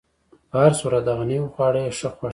په هر صورت، دغه نوي خواړه یې ښه خوښ شول.